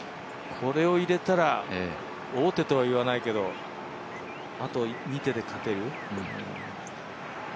これを入れたら王手とは言わないけど、あと２手で勝てる。